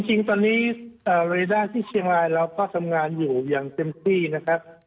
จริงตอนนี้เรด้าที่เชียงรายเราก็ทำงานอยู่อย่างเต็มที่นะครับ